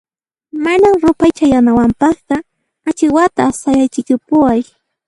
Mana ruphay chayanawanpaqqa achiwata sayaykachipuway.